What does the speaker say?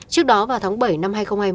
trước đó vào tháng bảy năm hai nghìn hai mươi